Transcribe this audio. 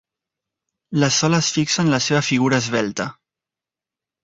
La Sol es fixa en la seva figura esvelta.